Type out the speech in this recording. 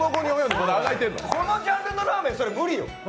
このジャンルのラーメン、それ無理よ。